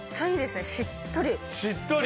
しっとり。